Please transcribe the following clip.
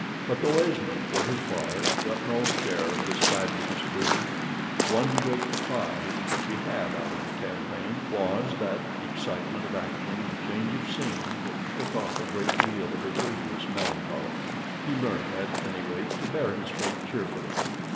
But though Esmond, for his part, got no share of this fabulous booty, one great prize which he had out of the campaign was, that excitement of action and change of scene, which shook off a great deal of his previous melancholy. He learnt at any rate to bear his fate cheerfully.